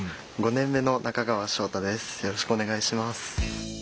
よろしくお願いします。